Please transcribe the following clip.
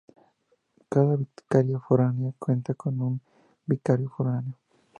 Cada vicaría foránea cuenta con un vicario foráneo.